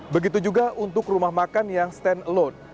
begitu juga untuk rumah makan yang stand alone